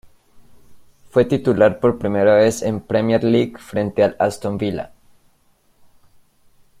Fue titular por primera vez en Premier League frente al Aston Villa.